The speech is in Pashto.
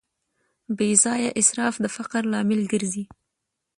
بېځایه اسراف د فقر لامل ګرځي.